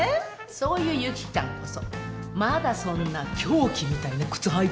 そういうユキちゃんこそまだそんな凶器みたいな靴履いてんのかい。